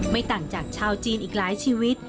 ไม่ต่างจากชาวจีนอีกหลายชีวิต